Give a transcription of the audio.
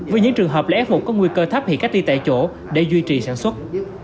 với những trường hợp là f một có nguy cơ thấp hiện cách ly tại chỗ để duy trì sản xuất